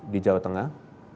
di jawa tengah